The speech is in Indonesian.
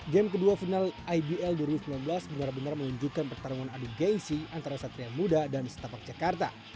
game kedua final ibl dua ribu sembilan belas benar benar menunjukkan pertarungan adu gengsi antara satria muda dan setapak jakarta